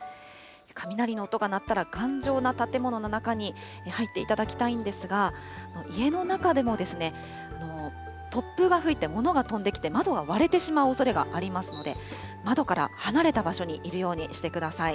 雷の音が鳴ったら、頑丈な建物の中に入っていただきたいんですが、家の中でも突風が吹いて、物が飛んできて窓が割れてしまうおそれがありますので、窓から離れた場所にいるようにしてください。